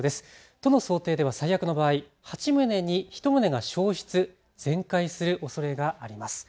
都の想定では最悪の場合、８棟に１棟が焼失・全壊するおそれがあります。